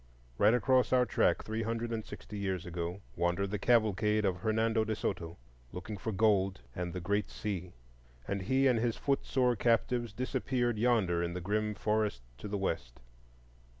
Right across our track, three hundred and sixty years ago, wandered the cavalcade of Hernando de Soto, looking for gold and the Great Sea; and he and his foot sore captives disappeared yonder in the grim forests to the west.